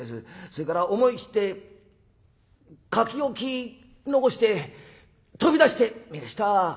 それから思い切って書き置き残して飛び出してみやした。